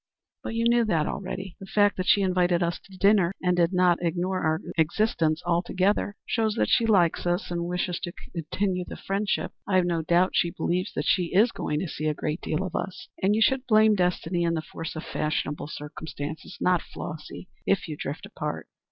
"But you knew that already. The fact that she invited us to dinner and did not ignore our existence altogether shows that she likes us and wishes to continue the friendship. I've no doubt she believes that she is going to see a great deal of us, and you should blame destiny and the force of fashionable circumstances, not Flossy, if you drift apart."